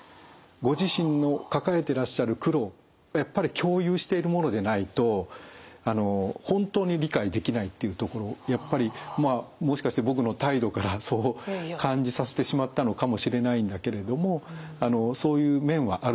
ご自身の抱えてらっしゃる苦労をやっぱり共有している者でないと本当に理解できないっていうところをやっぱりもしかして僕の態度からそう感じさせてしまったのかもしれないんだけれどもそういう面はあると思います。